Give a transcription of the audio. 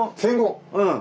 うん。